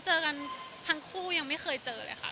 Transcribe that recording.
เจอกันทั้งคู่ยังไม่เคยเจอเลยค่ะ